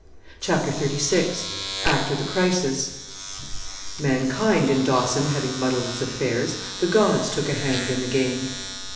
CHAPTER XXXVI AFTER THE CRISIS Mankind in Dawson having muddled its affairs, the gods took a hand in the game.